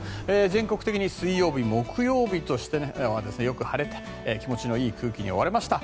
全国的に水曜日、木曜日としてはよく晴れて、気持ちのいい空気に覆われました。